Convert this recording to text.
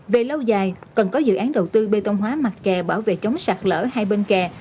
về lâu dài cần có dự án đầu tư bê tông hóa mặt kè bảo vệ chống sạt lỡ hai bên kè